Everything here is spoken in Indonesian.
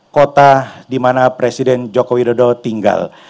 kota dimana presiden jokowi dodo tinggal